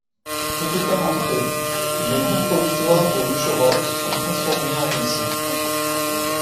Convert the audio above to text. Peu de temps après, les lits provisoires de l'Oucherotte sont transformés en ruisseau.